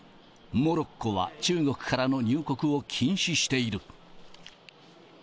モロッコは、中国からの入国を禁止している。